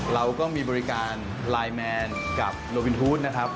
เราก็มีบริการไลน์แมนกับโลวินทูธนะครับ